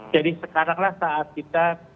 jadi sekarang lah saat kita